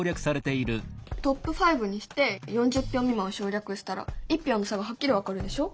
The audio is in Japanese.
トップ５にして４０票未満は省略したら１票の差がはっきり分かるでしょ？